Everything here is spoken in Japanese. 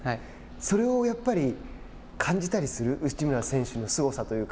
それをやっぱり感じたりする内村選手のすごさというか。